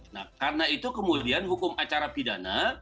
nah karena itu kemudian hukum acara pidana